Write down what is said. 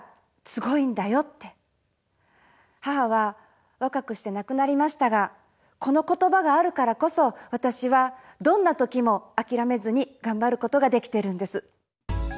母は若くしてなくなりましたがこの言葉があるからこそ私はどんなときもあきらめずにがんばることができてるんです。